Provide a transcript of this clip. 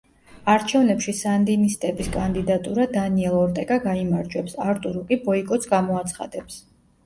არჩევნებში სანდინისტების კანდიდატურა, დანიელ ორტეგა გაიმარჯვებს, არტურო კი ბოიკოტს გამოაცხადებს.